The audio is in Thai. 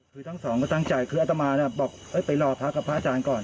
คือทั้งสองก็ตั้งใจคืออัตมาบอกไปรอพระกับพระอาจารย์ก่อน